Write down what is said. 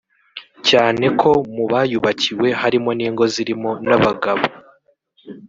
cyane ko mu bayubakiwe harimo n’ingo zirimo n’abagabo